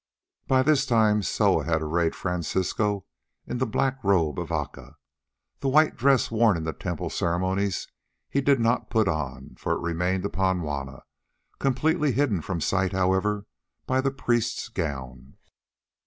By this time Soa had arrayed Francisco in the black robe of Aca. The white dress worn in the temple ceremonies he did not put on, for it remained upon Juanna, completely hidden from sight, however, by the priest's gown.